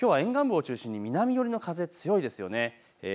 きょうは沿岸部を中心に南寄りの風が強いですね。